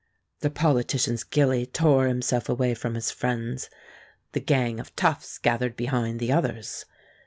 The politician's gilly tore himself away from his friends. The gang of toughs gathered behind the others.